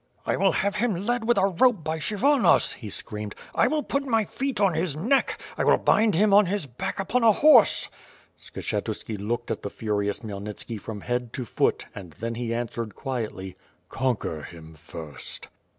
"I will have him led with a rope by Kshyvonos," he screamed. "I will put my feet on his neck; I will bind him on his back upon a horse!" Skshetu=ki looked at the furious Khmyelnitski from head to foot, and then he answered quietly: "Conquer him first."